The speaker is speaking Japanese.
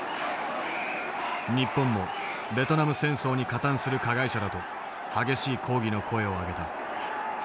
日本もベトナム戦争に加担する加害者だと激しい抗議の声を上げた。